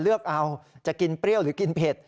เลือกเอาจะกินเปรี้ยวหรือกินเผ็ด